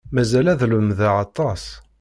Mazal ad lemdeɣ aṭas.